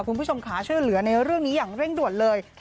คุณผู้ชมขาช่วยเหลือในเรื่องนี้อย่างเร่งด่วนเลย